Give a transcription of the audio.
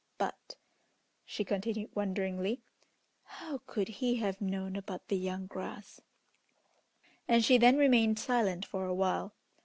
But" she continued, wonderingly "how could he have known about the young grass?" And she then remained silent for a while.